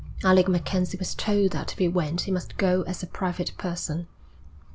Alec MacKenzie was told that if he went he must go as a private person.